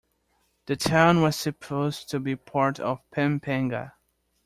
The town was supposed to be part of Pampanga.